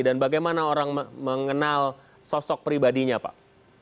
dan bagaimana orang mengenal sosok pribadinya pak